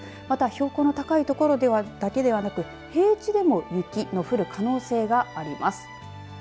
また標高の高い所だけではなく平地でも雪の降る可能性があります。